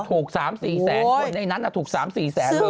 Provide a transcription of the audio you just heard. ถูก๓๔แสนคนในนั้นถูก๓๔แสนเลย